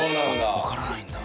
わからないんだ。